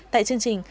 tại chương trình